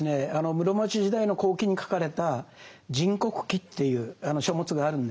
室町時代の後期に書かれた「人国記」っていう書物があるんです。